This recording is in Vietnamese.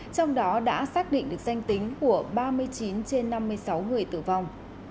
trong đó đã xác định được danh tính của ba mươi chín trên năm mươi sáu người tử vong